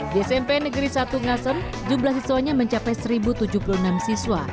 di smp negeri satu ngasem jumlah siswanya mencapai satu tujuh puluh enam siswa